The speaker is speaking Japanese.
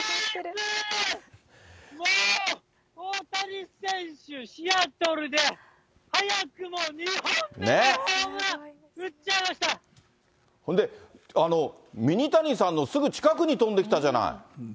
もう、大谷選手、シアトルで、早くも２本目のホームラン、ほんで、ミニタニさんのすぐ近くに飛んできたじゃない。